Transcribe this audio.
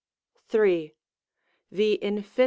The Infin.